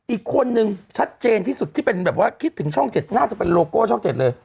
อีกคนนึงชัดเจนที่สุดที่เป็นแบบว่าคิดถึงช่อง๗น่าจะเป็นโลโก้ช่อง๗เลย